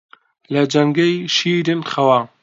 لە جەنگەی شیرن خەوا